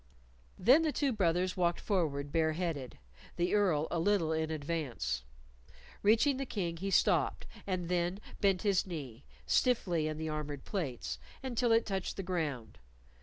Then the two brothers walked forward bare headed, the Earl, a little in advance. Reaching the King he stopped, and then bent his knee stiffly in the armored plates until it touched the ground.